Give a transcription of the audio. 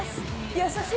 優しい。